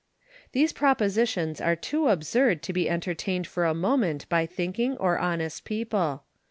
These propositions are too absurd to be entertained for a moment by thinking or honest people.